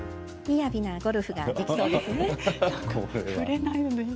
みやびなゴルフができそうですね。